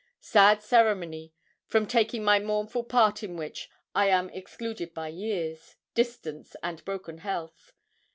Sad ceremony, from taking my mournful part in which I am excluded by years, distance, and broken health.